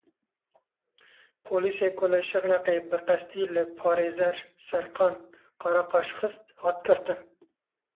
Polîsê ku li Şirnexê bi qestî li parêzer Serkan Karakaş xist, hat girtin.